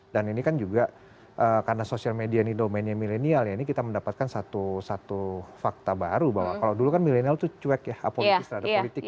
dan ini kan juga karena sosial media ini domennya milenial ya ini kita mendapatkan satu fakta baru bahwa kalau dulu kan milenial itu cuek ya apolitik terhadap politik ya